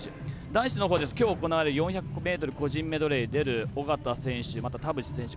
男子はきょう行われる４００ｍ個人メドレーに出る小方選手、また田渕選手